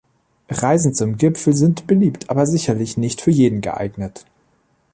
Reisen zum Gipfel sind beliebt, aber sicherlich nicht für jeden geeignet.